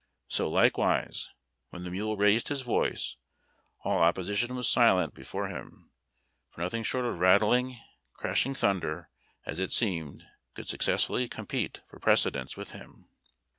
So, likewise, when THE REAR GUARD OF THE RK(;IMKNT. the mule raised his voice, all opposition was silent before him, for nothing short of rattling, crashing thunder, as it seemed, could successfully compete for precedence with him.